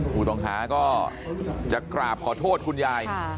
ผู้ต้องหาก็จะกราบขอโทษคุณยาย